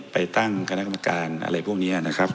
ไปตั้งคณะกรรมการอะไรพวกนี้นะครับ